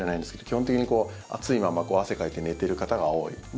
基本的に暑いまま汗かいて寝ている方が多い。